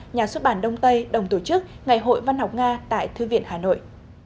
nhà xuất bản đông tây đồng tổ chức ngày hội văn học nga tại thư viện hà nội